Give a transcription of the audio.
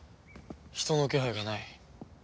人の気配がない。